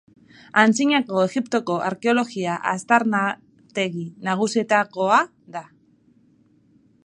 Antzinako Egiptoko arkeologia-aztarnategi nagusietakoa da.